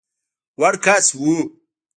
وړ کس وو.